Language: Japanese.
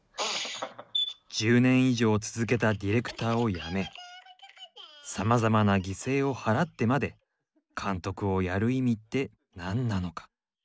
１０年以上続けたディレクターを辞めさまざまな犠牲を払ってまで監督をやる意味って何なのか。